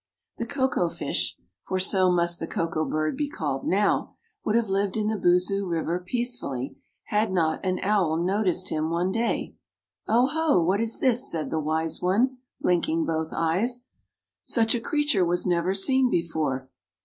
The Koko fish (for so must the Koko bird be called now), would have lived in the Boozoo river peacefully had not an owl noticed him one day. "O, ho! What is this?" said the wise one, blinking both eyes. "Such a creature was never seen before.